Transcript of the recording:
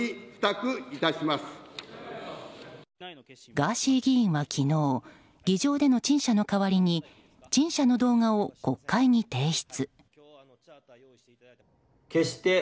ガーシー議員は昨日議場での陳謝の代わりに陳謝の動画を国会に提出。